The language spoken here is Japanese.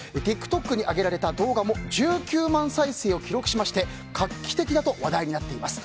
ＴｉｋＴｏｋに上げられた動画も１９万再生を記録しまして画期的だと話題になっています。